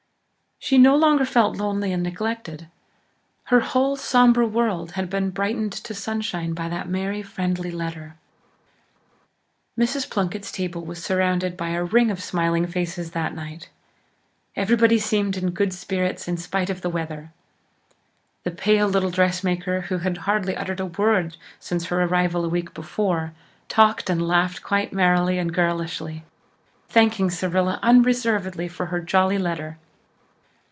She no longer felt lonely and neglected. Her whole sombre world had been brightened to sunshine by that merry friendly letter. Mrs. Plunkett's table was surrounded by a ring of smiling faces that night. Everybody seemed in good spirits in spite of the weather. The pale little dressmaker, who had hardly uttered a word since her arrival a week before, talked and laughed quite merrily and girlishly, thanking Cyrilla unreservedly for her "jolly letter."